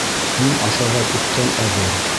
Мин ашарға күптән әҙер